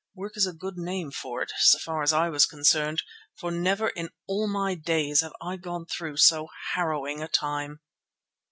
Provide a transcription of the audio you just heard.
Work is a good name for it so far as I was concerned, for never in all my days have I gone through so harrowing a time.